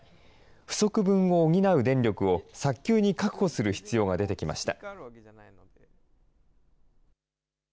不足分を補う電力を早急に確保する必要が出てきました。